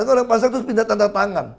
orang pasang terus pindah tanda tangan